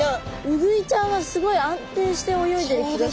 ウグイちゃんはすごい安定して泳いでる気がする。